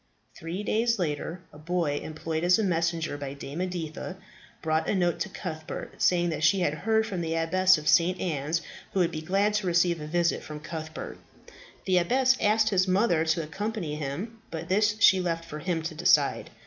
Three days later, a boy employed as a messenger by Dame Editha brought a note to Cuthbert, saying that she had heard from the Abbess of St. Anne's, who would be glad to receive a visit from Cuthbert. The abbess had asked his mother to accompany him; but this she left for him to decide.